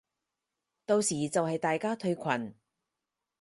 到時就係大家退群